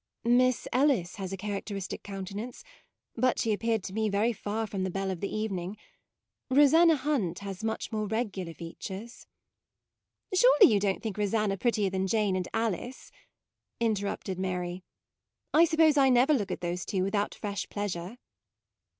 " Miss Ellis has a characteristic countenance, but she appeared to me very far from the belle of the even ing. Rosanna Hunt has much more regular features." u Surely you do n't think Rosanna prettier than Jane and Alice," in terrupted Mary; u I suppose I never look at those two without fresh pleasure."